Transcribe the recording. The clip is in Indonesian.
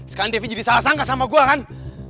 sekarang devi jadi salah sangka sama gue kan